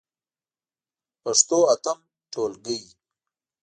پښتو اتم ټولګی.